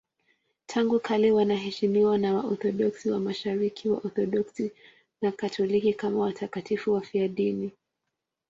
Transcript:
Tangu kale wanaheshimiwa na Waorthodoksi wa Mashariki, Waorthodoksi na Wakatoliki kama watakatifu wafiadini.